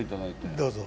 どうぞ。